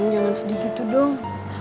renan jangan sedih gitu dong